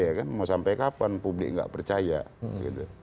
iya kan mau sampai kapan publik gak percaya gitu